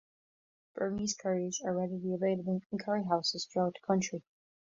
Burmese curries are readily available in curry houses throughout the country.